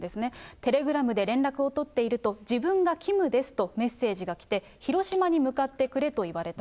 テレグラムで連絡を取っていると、自分がキムですと、メッセージが来て、広島に向かってくれと言われた。